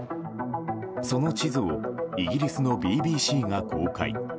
その地図をイギリスのＢＢＣが公開。